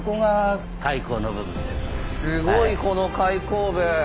すごいこの開口部。